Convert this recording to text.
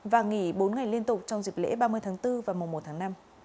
và nghỉ bốn ngày liên tục trong dịp lễ ba mươi tháng bốn và mùa một tháng năm